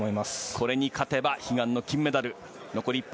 これに勝てば悲願の金メダル。